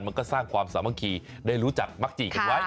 มันก็สร้างความสามัคคีได้รู้จักมักจีกันไว้